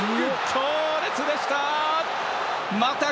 強烈でした！